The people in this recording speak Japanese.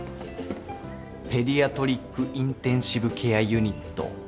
ペディアトリックインテンシブケアユニット。